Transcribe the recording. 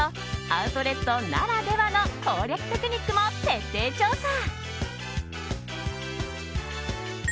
アウトレットならではの攻略テクニックも徹底調査！